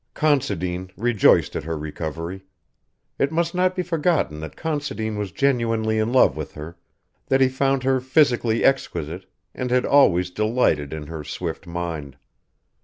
Considine rejoiced at her recovery. It must not be forgotten that Considine was genuinely in love with her, that he found her physically exquisite, and had always delighted in her swift mind.